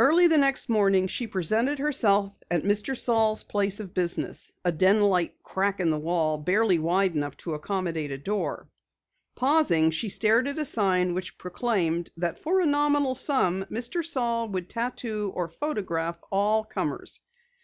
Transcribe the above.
Early the next morning she presented herself at Mr. Saal's place of business, a den like crack in the wall, barely wide enough to accommodate a door. Pausing, she stared at a sign which proclaimed that for a nominal sum Mr. Saal would tattoo or photograph all comers.